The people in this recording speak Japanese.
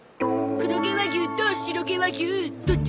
黒毛和牛と白毛和牛どっちが好き？